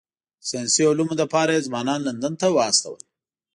د ساینسي علومو لپاره یې ځوانان لندن ته واستول.